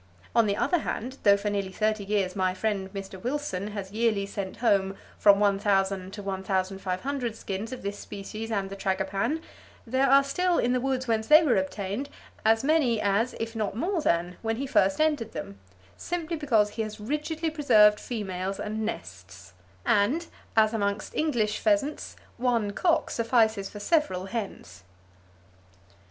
On the other hand, though for nearly thirty years my friend Mr. Wilson has yearly sent home from 1,000 to 1,500 skins of this species and the tragopan, there are still in the woods whence they were obtained as many as, if not more than, when he first entered them, simply because he has rigidly preserved females and nests, and (as amongst English pheasants) one cock suffices for several hens."